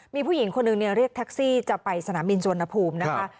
มีผู้หญิงคนหนึ่งเรียกแท็กซี่จะไปสนามบินสุวรรณภูมินะคะ